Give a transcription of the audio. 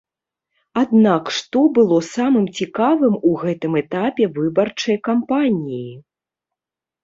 Аднак што было самым цікавым у гэтым этапе выбарчай кампаніі?